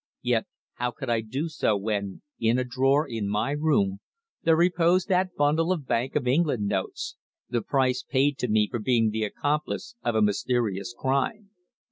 Yet how could I do so when, in a drawer in my room, there reposed that bundle of Bank of England notes, the price paid to me for being the accomplice of a mysterious crime?